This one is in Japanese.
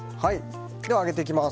では、揚げていきます。